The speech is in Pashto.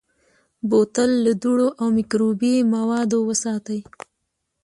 بوتل له دوړو او مکروبي موادو ساتي.